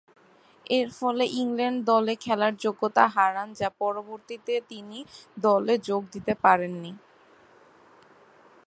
এরফলে ইংল্যান্ড দলে খেলার যোগ্যতা হারান যা পরবর্তীতে তিনি দলে যোগ দিতে পারেননি।